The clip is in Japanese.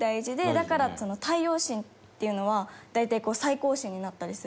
だから太陽神っていうのは大体最高神になったりするらしいんですね